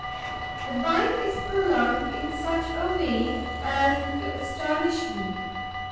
The bite is prolonged in such a way as to astonish me.